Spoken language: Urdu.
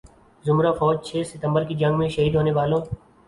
ذمرہ فوج چھ ستمبر کی جنگ میں شہید ہونے والوں